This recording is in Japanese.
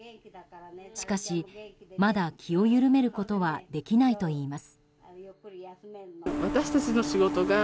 しかし、まだ気を緩めることはできないといいます。